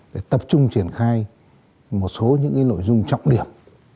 để tập trung triển khai một số những nội dung trọng điểm